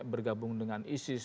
bergabung dengan isis